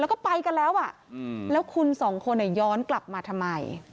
แล้วก็ไปกันแล้วอ่ะแล้วคุณสองคนย้อนกลับมาทำไม